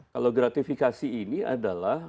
kalau gratifikasi ini adalah